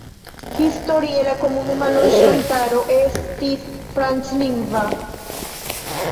Historie la komunuma loĝantaro estis franclingva.